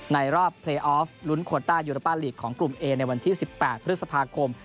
ในรอบเพลย์ออฟลุ้นโควต้ายูโรป้าลีกของกลุ่มเอในวันที่๑๘พฤษภาคม